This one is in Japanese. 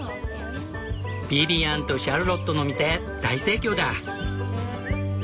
ビビアンとシャルロットの店大盛況だ。